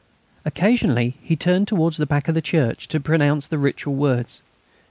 Occasionally he turned towards the back of the church to pronounce the ritual words.